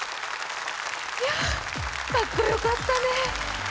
いや、かっこよかったね。